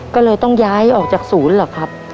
ก็เลยต้องย้ายออกจากศูนย์เหรอครับ